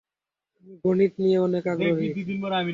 আমি গণিত নিয়ে অনেক আগ্রহী।